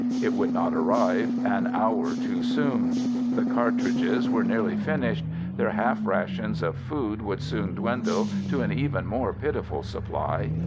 It would not arrive an hour too soon. The cartridges were nearly finished. Their half rations of food would soon dwindle to an even more pitiful supply.